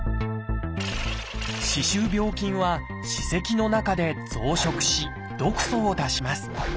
歯周病菌は歯石の中で増殖し毒素を出します。